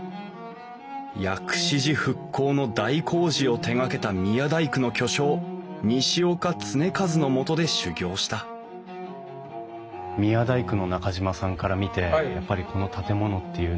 薬師寺復興の大工事を手がけた宮大工の巨匠西岡常一のもとで修業した宮大工の中島さんから見てやっぱりこの建物っていうのは。